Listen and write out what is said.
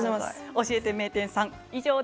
「教えて名店さん！」